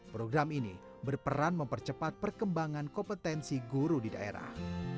program ini berperan mempercepat perkembangan kompetensi guru di daerah